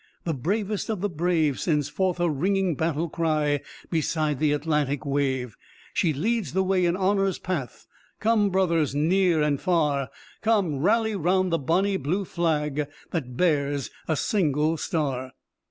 The bravest of the brave Sends forth her ringing battle cry Beside the Atlantic wave! She leads the way in honor's path; Come brothers, near and far, Come rally round the bonnie blue flag That bears a single star."